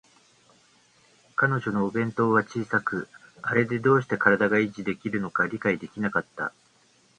彼女のお弁当箱は小さく、あれでどうして身体が維持できるのか理解できなかった